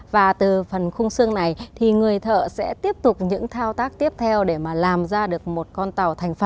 và từ phần khung xương này thì người thợ sẽ tiếp tục những thao tác tiếp theo để mà làm ra được một con tàu thành phẩm